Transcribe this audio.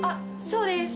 そうです。